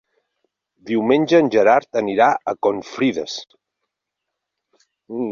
Diumenge en Gerard anirà a Confrides.